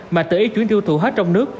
mà tự ý chuyển tiêu thụ hết trong nước